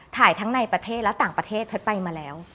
ถ่ายทั้งในประเทศและต่างประเทศแพทย์ไปมาแล้ว